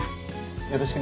よろしくね。